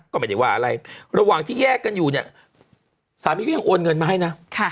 ก็ไม่ได้ว่าอะไรระหว่างที่แยกกันอยู่เนี่ยสามีก็ยังโอนเงินมาให้นะ